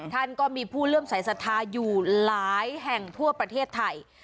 ท่านก็มีผู้เลื่อมสายศรัทธาอยู่หลายแห่งทั่วประเทศไทย